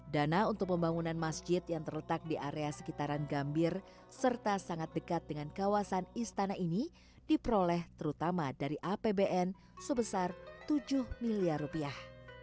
dana untuk pembangunan masjid yang terletak di area sekitaran gambir serta sangat dekat dengan kawasan istana ini diperoleh terutama dari apbn sebesar tujuh miliar rupiah